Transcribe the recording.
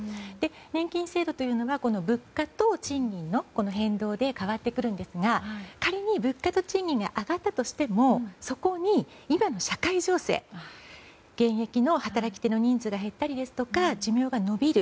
年金制度というのは物価と賃金の変動で変わってくるんですが仮に物価と賃金が上がったとしてもそこに今の社会情勢現役の働き手の人数が減ったりですとか寿命が延びる。